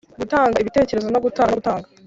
Gutanga ibitekerezo no gutanga no gutanga